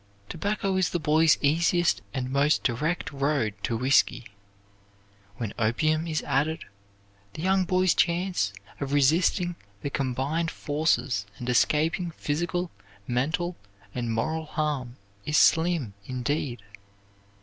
Tobacco is the boy's easiest and most direct road to whisky. When opium is added, the young man's chance of resisting the combined forces and escaping physical, mental, and moral harm is slim, indeed."